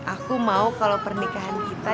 aku mau kalau pernikahan kita